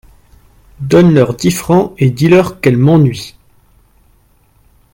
Donne-leur dix francs et dis-leur qu’elles m’ennuient !